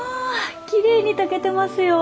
きれいに炊けてますよ。